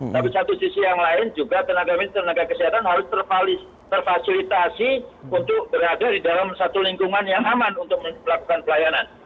tapi satu sisi yang lain juga tenaga kesehatan harus memfasilitasi untuk berada di dalam satu lingkungan yang aman untuk melakukan pelayanan